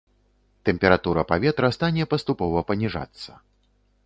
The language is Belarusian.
Тэмпература паветра стане паступова паніжацца.